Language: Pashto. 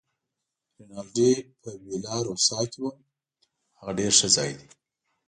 رینالډي: په ویلا روسا کې وم، هغه ډېر ښه ځای دی.